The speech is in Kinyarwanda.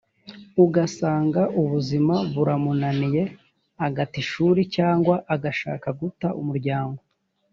ugasanga ubuzima buramunaniye agata ishuri cyangwa agashaka guta umuryango